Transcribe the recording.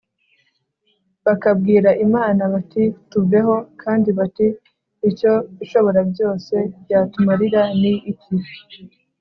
bakabwira imana bati tuveho’ kandi bati ‘icyo ishoborabyose yatumarira ni iki